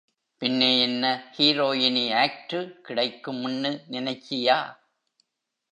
பின்னே என்ன ஹீரோயினி ஆக்ட்டு கிடைக்கும்னு நினைச்சியா.?